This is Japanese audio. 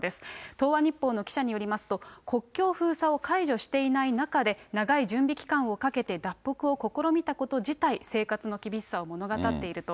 東亜日報の記者によりますと、国境封鎖を解除していない中で、長い準備期間をかけて脱北を試みたこと自体、生活の厳しさを物語っていると。